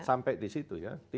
sampai di situ ya